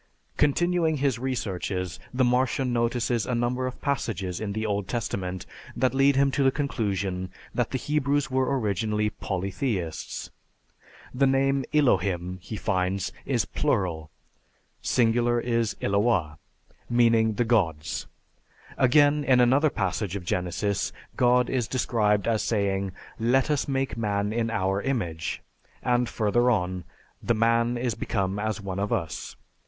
Continuing his researches, the Martian notices a number of passages in the Old Testament that lead him to the conclusion that the Hebrews were originally polytheists. The name Elohim, he finds, is plural (singular, Eloah), meaning the gods. Again, in another passage of Genesis, God is described as saying, "Let us make man in our image (I, 26)," and further on, "The man is become as one of us."